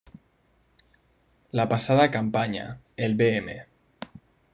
La pasada campaña, el Bm.